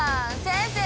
先生